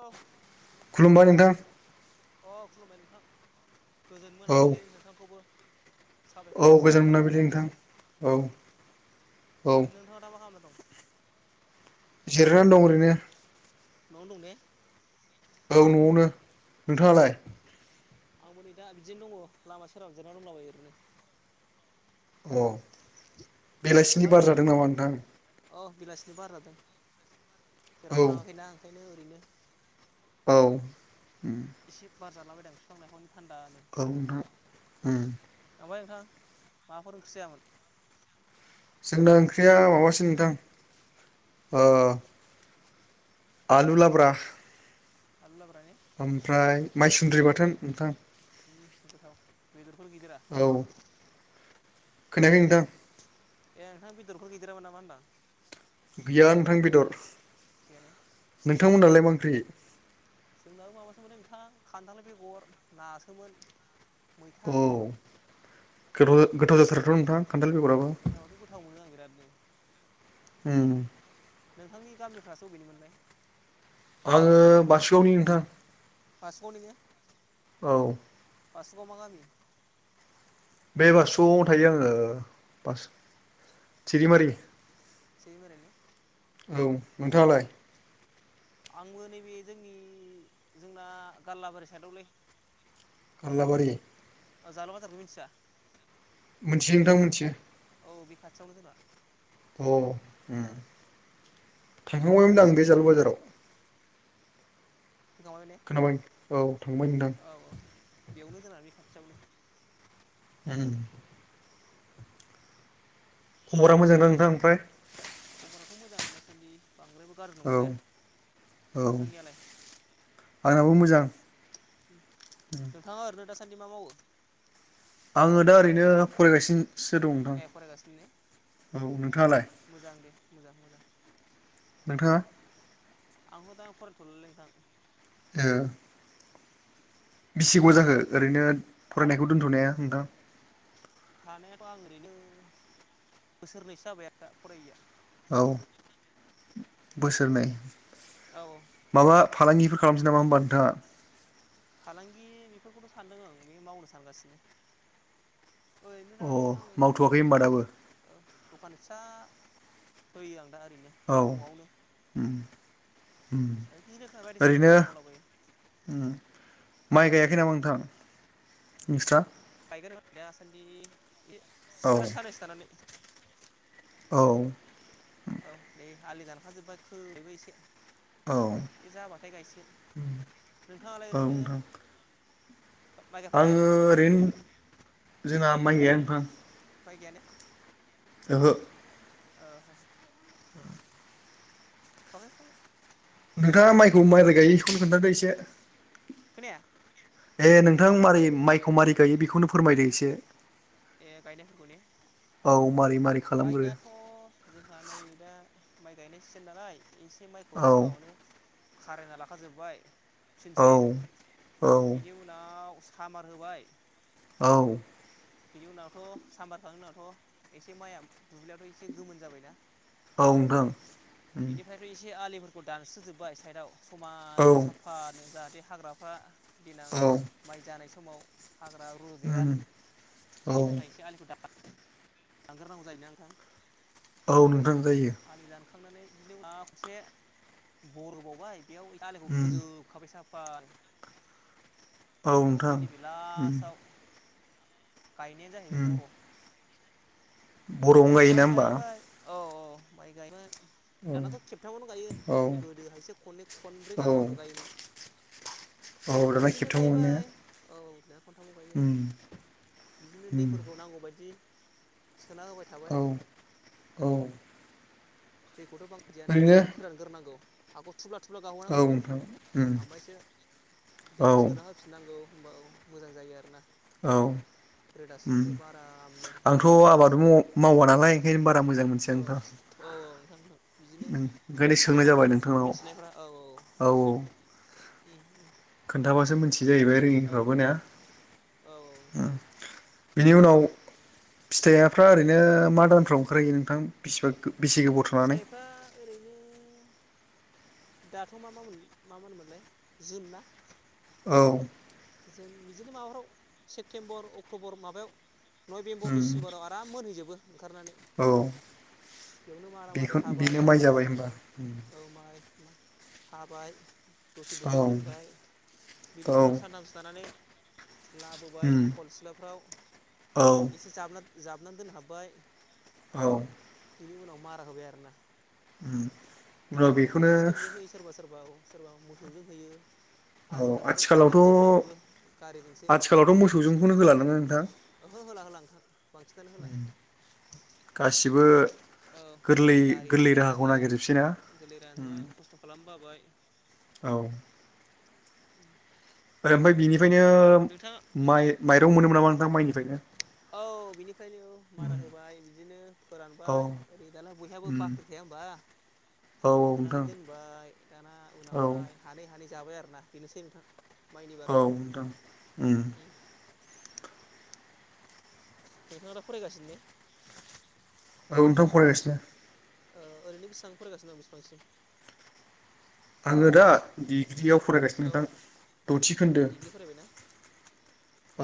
हेल खुलुमबाय नोंथां अ खुलुमबाय नोंथां गोजोन औ मोनाबिलि नोंथांखौबो औ साबायखर गोजोन जासिहरनाय जाबाय मोनाबिलि नोंथां आंनिसिम औ औ ओरैनो नोंथाङा दा मा खालामबाय दं? जिरनानै दं ओरैनो न' आवनो दं ने? औ न'आवनो, नोंथाङालाय? आदसा आंबो नै दा बिदिनो दङ लामा सेराव जिरायना दंलाबायो ओरैनो अ बेलासिनि ओमफ्राय बार जादों नोंथांनि नामा नोंथां? अ बेलासिनि बार जादों औ जेरावबो थाङाखैना ओंखायनो ओरैनो औ उम इसे बार जाालाबायदों फिफां लाइफांनि थान्दानो ओ नोंथां ओम थांबाय नोंथां माबाफोर ओंख्रि जायामोन जोंना ओंख्रिया माबासो नोंथां ओ आलु लाब्रा आलु लाब्ला ए ओमफ्राय माइसुन्द्रि बाथोन नोंथां। ओम गोथाव बेदरफोर गैदेरा? औ खोनायाखै नोंथां। ए नोंथां बेदरफोर गैदेरामोन नामा होनबा? गैया नोंथां बेदर गैया ने नोंथांमोनालाय मा ओंख्रि? जोंनाबो माबासोमोन नोंथां खान्थालाय बेगर नासोमोन। मैथा औ गोबाव गोथाव जाथाराथ' नोंथां खान्थाल बेगराबो गोथावथ' गोथाव मोनो बिरादनो। ओम नोंथांनि गामिरासो अबेनिमोनलाय? आङो बासुगावनि नोंथां। बासुगावनिनो। औ। बासुगाव मा गामि? बे बासुगावआव थायो आङो बास थिरिमारि। [inaudible] औ नोंथाङालाय? आंबो नैबे जोंनि जोंना गारलाबारि साइडआवलै। गारलाबारि अ जाल' बाजारखौ मिथिया? मोनथियो नोंथां मोनथियो। औ बे खाथियावनो जोंना। अ थांखांबायमोन आं मिन्थिनि जालु बाजाराव। फैखांबायमोन ने? खोनाबाय औ थांबाय नोंथां औ औ बेयावनो जोंना बे खाथियावनो। ओम खबरा मोजां ना नोंथां ओमफ्राय? खबराथ' मोजां दासान्दि। बांद्रायबो गाज्रि नंद्राया औ- औ नोंथांनियालाय आंनाबो मोजां। नोंथाङा ओरैनो दासान्दि मा मावो? आङो दा ओरैनो फरायगासिनोसो दं नोंथां ए फरायगासिनो ने औ। नोंथाङालाय? मोजां दे मोजां - मोजां। नोंथाङा? आंथ' दा फरायथ'लालै नोंथां। ओ। बिसिग' जाखो ओरैनो फरायनायखौ दोनथ'नाया नोंथां। थानायाथ' आं ओरैनो बोसोरनैसो जाबाय आरो दा फरायैया। औ बोसोरनै। औ। माबा फालांगिफोर खालामनोसै नामा होमबा नोंथाङा? फालांगि बेफोरखौथ' सानदों आं बे मावनो सानगासिनो। ओरैनो दा अ आङो मावथ'वाखै होनबा ओरैनो दाबो? औ दखान फिसा होयो आं दा। ओरैनो औ। न'आवनो उम बिदिनो बायदिसिना ओरैनो खामानि मावलाबायो। उम माइ गायाखै नामा नोंथां नोंस्रा? गायगोन दा आसासान्दि औ साननैसो थानानै। औ। औ दे आलि दानख जोबबाय खोबायबो एसे। औ बे जाबाथाय गायसिगोन नोंथाङालाय ओरैनो नोंथां माइगायफोर गाया आङो नोंस्रा नामा ओरैनो जोंहा माइ गैया नोंथां उफाय गैय ने। ओहो अ औ सब साब नोंथाङा माइखौ माइराय गायखौनो खोन्थादो एसे खोनाया ए नोंथां माबारै माइखौ मारै गायो बेखौनो फोरमायदो एसे ए गायनायफोरखौ ने औ मारै मारै खालामग्रो गायनायाथ जोंहा नै दा माइ गायनाय सिजोन नालाय एसे माइखौ औ सिगाङावनो खारेना लाखाजोबबाय औ फिनसे औ बिनि उनाव सामार होबाय औ बिनि उनावथ साम्बारखांनायनि उनावथ एसे माइआ दुब्लियाथ एसे गोमोन जाबायना ओव नोंथां बिनिफ्रायथ एसे आलिफोरखौ दानस्रोजोबबाय साइदाव औ समाननो साफानो जाहाथ बे हाग्राफ्रा देनां माइ जानाय समाव हाग्रा रुदेरा उम औ बिनि थाखाय एसे आलिखौ द लांग्रोनांगौ जायोना नोंथां औ नोंथां जायो हखांनानै बिदिनो मा खनसे बरोबावबाय बेयाव आाललिखौ उम खोजोबखाबाय साब बार औ नोंथां गायनायानो जाहैबाय उम बर बरआवनो गायोना माइ होमबा गायबाय औ माइ गाय औ दानाथ' खेबथामावनो गायो औ गोदोहायसो खननै खनब्रै गाहाम एवनानै गायोमोन [inaudible] अ दाना बिदिनो खेबथामाव गायबाय मोननाया औ दाना खनथामाव गायो बिदिनो उम दैफोरखौ नांगौ बायदि सोना होब औ औ दैखौथ' बां होजानयाना ओरैनो एसे फोरानग्रोनांगौ हागज थुब्ला थुब्ला औ गावहोनांगौ नोंथां उम ओमफायसो औ दैखौ सोना होफिननांगौ होमबा औ मोजां जायो आरो ना औ उम आरामनो आंथ' होमबाना आबाद आसे म' मावा नालाय ओंखायनो बारा मोजां मोनथिया नोंथां नोंथांथां बिदिनो ओंखायनो सोंनाय खिन्थालायनांगौ जाबाय नोंथांनाव मिथिनायफोरा औ औ औ खोन्थाबासो मोनथि जाहैबाय औ रोङिफ्रावबो ना औ नोंथां औ बिनि उनाव फिथाइयाफ्रा ओरैनो मा दानफोराव ओंखारहयो नोंथां बिसिबां गो फिथाइफ्रा ओरैनो दाथ'मा मावोन मा मानोमोनलाय जुन ना औ जों बिदिनो माबाफ्राव सेप्तेम्बर अक्टबर माबायाव नयबेम्बर उम डिसेम्बराव आराम मोनहैजोबो ओंखारनानै औ बेयावनो मारा मारि बेखौ हाबाय बेनो माइ जाबाय औ होमबा औ माइ-माइ हाबाय दसे औ दुब्लियाव दोनबाय बिनि औ उनाव सानथामसो थानानै लाबोबाय उम खल सिलाफ्राव औ एसे जाबना- जाबनानै दोनहाबबाय औ इनि उनाव मारा होबाय आरोना उम मारा उनाव होनायायाव अनेख बेखौनो सिस्टेमजों होयो सोरबा-सोरबा औ सोरबा मोसौजों होयो। औ आजिखालिथ' ट्रेक्टरजों होलाजोबो आथिखालावथ' गारिजोंसो आथिखालावथ' मेचिन मोसौजोंखौनो होलादां नोंथां ओहो होला होला नोंथां बांसिनानो होला। गासिबो औ गोरलै-गोरलै गारिफोरजों होनसै राहाखौ औ नागिरजोबसैना गोरलै रानजोबाय खस्थ' खालाम बाबाय। औ रोओमफाय बिनिफायनो नोंथाङा माइ-माइरं मोनोमोन नामा नोंथां माइनिफायनो औ बिनिफ्रायनो औ मारा होबाय बिदिनो औ फोरानबाय ओरै दाना बयहाबो उम बाख्रि थाया होनबा औ बेयाव सोनानै नोंथां दोनबाय दाना औ उनावहाय हानै हानै जाबाय आरोना बेनोसै नोंथां। माइनि बारै औ नोंथां उम नोंथाङा दा फरायगासिनो ने? औ नोंथां फरायगासिनो ओ ओरैनो बेसेबां फरायगासिनो दं बेसेबांसिम? आङो दा डिग्रियाव फरायगासिनो औ नोंथां द'थि खोन्दो। औ डिग्रि फरायबायना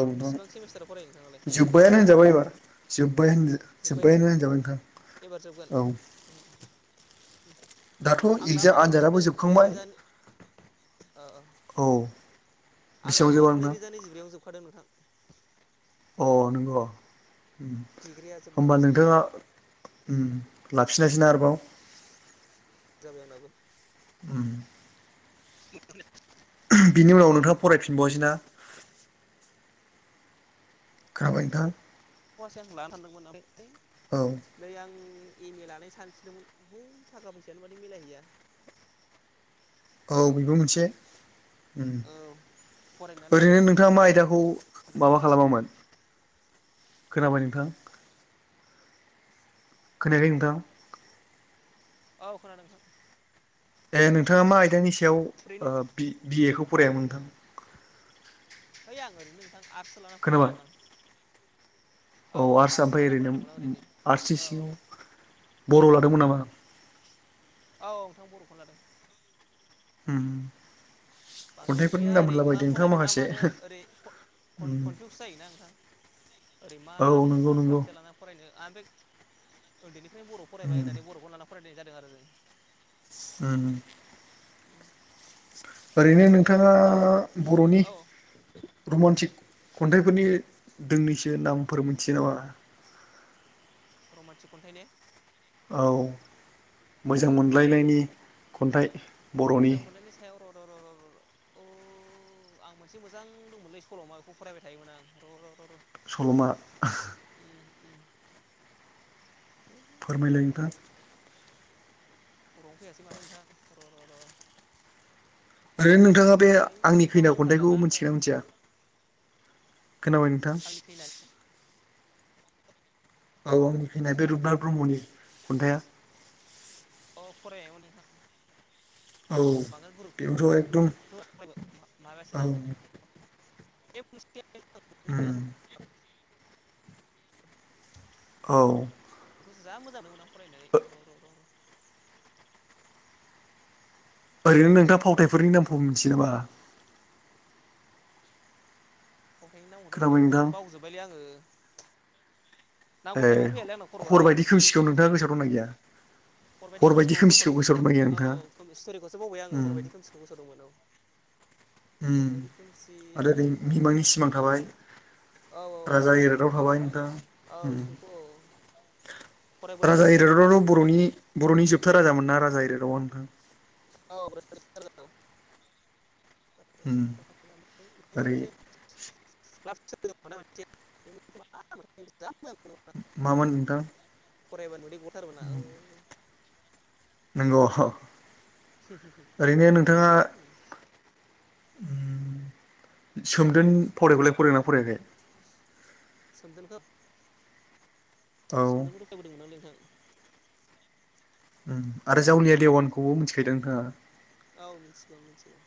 औ बेसेबां सेमिस्टाराव फरायो नोंथाङालाय जोबबायानो होनजाबाय एबार। जोबबाय होनदो जोब्बाय ने जोब्बायानो होनजाबाय एबार जोबगोन नोंथां औ। उम दाथ' आं दा एगजाम माबायावनो जोबदों आनजादाबो जोबखांबाय। नैरोजा ओ अ औ बेसेबां आंनाबो जोबा नोंथां नैरोजा नैजिब्रैयावनो जोबखादों नोंथां। अ नंग' उम डिग्रिया जोबना होनबा बि नोंथाङा उम लाफिनासैना आरोबाव जाबाय आंनाबो। उम [unintelligible] बिनि उनाव नोंथाङा फरायफिनबावासै ना? खोनाबाय नोंथां [unintelligible] नै आं एम ए औ लानाय सानफिनदोंमोन हैै थाखा फैसायानो माथो मिलायहैया। औ बेबो मोनसे औ फरायनायालाय ओरैनो नोंथाङा मा आयदाखौ। माबा खालामामोन [inaudible] खोनाबाय नोंथां। खोनायाखै नोंथां। औ खोनादोंं। ए नोंथाङा मा आयदानि ओरैनो सायाव बिए खौ फरायामोन नोंथां। हैइ आं ओरैनो नोंथां आर्ट्सो लानानानै खोनाबाय फरायदोंमोन आं। औ आर्ट्स आर्टसो ओमफ्राय लाना ओरैनो फरायदोंमोन आं ओरैनो आर्ट्सनि औ सिङाव बर' लादोंमोन नामा। औ नोंथां बर'खौ लादों। [inaudible] बांद्रायाव खन्थाइफोरनि गैया नाम ओरै मा मोनलाबायदों नोंथाङा फरायनो मा माखासे मानो ओरै उम कनफिउस जायोना नोंथां। ओरै मा औ लानो नंगौ मा नंगौ साबजेक्ट लानानै फरायनो आं बे उन्दैनिफ्रायनो बर' फरायबाय उम होननानै बर'खौनो लाना फरायनाय जादों आरो। [inaudible] [inaudible] ओरैनो नोंथाङा बर'नि औ रमान्टिक। खन्थाइफोरनि दोंनैसो नामफोर मोनथियो नामा। रमान्टिक एखन्थाइ ने। औ मोजां मोनलायनायनि खन्थाइ। बर'नि मोजां मोनलायनायनि सायाव र' र' र' र' र' र' औ। आं मोनसे मोजां दंमोनलै सलमा बेखौ फरायबाय थायोमोन आं र' र' र' र। सल'मा। [inaudible] फोरमायलानो फा। खर'आवनो फैयासै माथो नोंथां र' र' र'। ओरैनो नोंथाङा बे ओइ आंनि लेखायाव खैना खन्थाइखौ दांथारलाना मिथिगोना मिथिया। खोनाबाय नोंथां। आंनि खैनानै औ आंनि खैना बे रुपनाथ ब्रह्मनि खन्थाया। अ फरायबायमोन नोंथां। औ बांगाल गुरु बेबोथ' एकदम [inaudible] औ माबायासोना। बे [inaudible] उम [unintelligible] औ। जा मोजां मोनदोमोन आं फरायनो ए र' र' र' र'। ओरैनो नोंथाङा फावथायाइफोरनि नामखौ मिथियो नामा। फावथायनि नामखौथ नोंथां बेखौनो बावजोबबायलै आङो नांगौ ए टाइमाव फैयालै आंना खर'आ हरबायायदि खोमसिखो नोंथाङा गोसोआव दंना गैया। हरबायायदि हरबायदि खोमसिखौ गोसोआव दंमोन दंना गैया नोंथाङा? नोंथां औ स्ट'रिखौसो बावबाय आङो हरबायदि खोमसिखौ गोसोआव दंमोन औ। [unintelligible] उम हरबायदि खोमसि आरो ओरै ओमफ्राय मिमांनि सिमां थाबाय। औ औ राजा इरागदाव थाबाय नोंथां। औ बेखौ औ फरायबोदों राजा नोंथां बेफोर इरागदावाथ' गासिबो बर'नि बर'नि जोबथा राजामोन ना राजा इरागदावा नोंथां। औ [inaudible] उम ओरै [inaudible] मामोन नोंथां। फरायबा मोदै गथारो ना आं। नोंगौ अह। गैलालै आं। उम सोमदोन फरायबालाय फरायदोना फरायाखै? सोमदोनखौ औ सोमददोंखौथ' फरायबोदोंमोन लै नोंथां आरो जावलिया देवानखौबो मिथिखायदां नोंथाङा? औ मिनथिगौ मिनथिगौ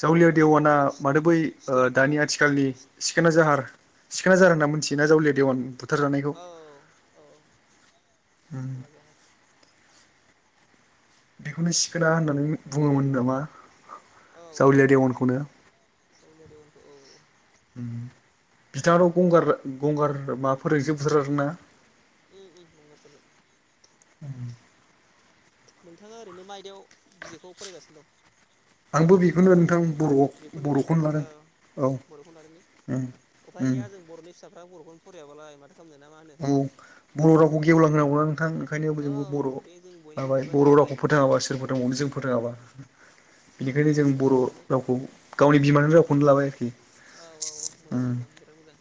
जावलिया देवाना माथो बै ओ दानि स्ट'रिफोरखौ आथिखालनि सिखोना जाहार सिखोना जाहार होनना मिथियो ना जावलिया देवान थारजानायखौ औ औ सिखोना जाहार बेखौनो सिखोना होननानै बुङोमोन नामा‌? औ औ जावलिया देवानखौनो सावुल रेवनखौ औ औ उम बिथाङाथ' गंगार गंगार माबाफोरजोंसो बुथारजादों ना उम उम गंगारफोरजों। नोंथाङा ओरैनो मा आइदायाव बिजेखौ फरायगासिनो दं? आंबो बेखौनो नोंथां बर'आव बेखौनो ने बर'खौनो लादों ओं औ बर'खौनो लादों ने। उम उफाय उम गैया जों बर'नि फिसाफ्रा बर'खौनो फरायाबालाय माथो खालामनो ना मा होनो औ बर' रावखौ गेवलां होनांगौना नोंथां ओंखायनो औ जों बर' बे जों बयनिबो लाबाय बिबान बर' जाहैबाय रावखौ फोथाङाबा सोर फोथांबावनो जों औ फोथाङाबा बिनिखायनो फोथाङा जों सोर बर' फोथांबावनो रावखौ गावनि बिमानि रावखौनो लाबाय आरोखि औ औ औ मोजां उम मोजां बिराद मोजां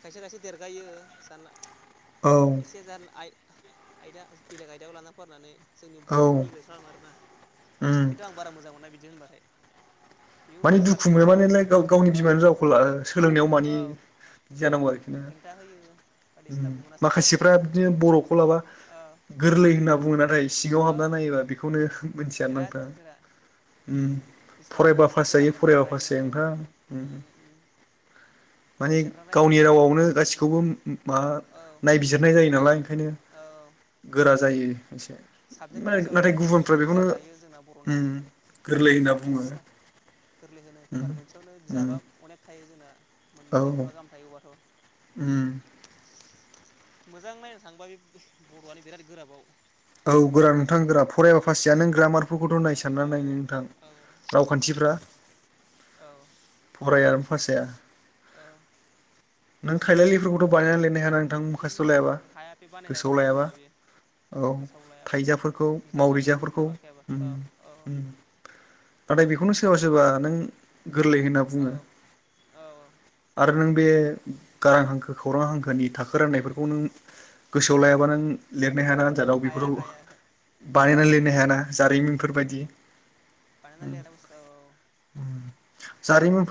खायसे खायसे देरगायो जानला औ एसे जेन आय-आयदा बेलेग आयदायाव लाना फरायनानै जोंनि बर'खौ औ निग्लेट खालामो आरोना उम खिन्थु आं बारा मोजां मोना बिदि होनबाथाय बेबो माने मोनसे दुखु मोनो साबजेक्टसो मोने लाइक गाव गावनि औ बिमानि रावखौ ला ओ सोलोंनायाव मानि औ बिदि जानांगौ आरोखि ना हेंथा होयो बायदिसिना उम बुङोना सोरबा माखासेफ्रा बिदिनो बर'खौ लाबा औ गोरलै होनना बुङोना सिङाव औ हाबना नायोबा बेखौनो मिथियानो बिराद नोंथा गोरा उम बिसिबां फरायबा पास साबजेक्ट जायो हाबना थायो फरायाबा बाहायनो फास जायो औ नोंथां उम माने बिजिरना नायबा गावनि नों बर'आव रावआवनो गासिखौबो माबा औ नायबिजिरनाय जायो नालाय ओंखायनो औ गोरा जायो एसे साबजेक्ट मोनसेयावनो नाथाय मोननै गुबुनफ्रा मोनथाम बेखौनो बिजाब थायो जोंना बर'ना उम गोरलै होनना औ बुङो। पेपार गोरलै होनो उम पेपार मोनसेयावनो बिजाबा अनेक थायो जोंना औ मोनब्रै मोनबा गाहाम थायो अबावबाथ' उम मोजां नायनो थांबा बे बर'आनो बिराद गोराबाव औ गोरा नोंथां गोरा फरायबा उम पास जाया नों ग्रामारफोरखौथ' नाय औ सानना औ नायनो नोंथां औ रावखान्थिफ्रा औ फराया फास जाया औ नों एसे थाइलायलिफोरखौथ' बानायनानै लिरनो हाया नोंथां माखासथ' लायाबा उम हाया बे बानायजाग्रा गोसोआव बुस्थु लायाबा नङा बेयो औ गोसोआव लायाबा मोजां थाइजाफोरखौ बिजिरनानै बुजिना मावरिजाफोरखौ लाखायाबा उम औ औ उम नाथाय नों बेखौनो सोरोबा सोरोबा नों गोरलै होनना औ बुङो औ आरो नों बे गारां हांखो खौरां हांखोनि थाखो उम राननायफोरखौ नों गोसोआव लायाबा नों लेर नो हाया आन्जादआव हाया बेफोरखौ हाया ओहो बानायनानै लिरनो हायाना जारिमिनफोरबायदि बानायना लिरनाया खस्थ' औ मा जारिमिन